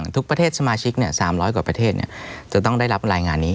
ทุกประเทศสมาชิก๓๐๐กว่าประเทศจะต้องได้รับรายงานนี้